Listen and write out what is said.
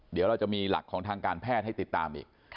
เดี๋ยวเราจะมีหลักของทางการแพทย์ให้ติดตามอีก